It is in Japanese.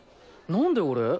何で俺？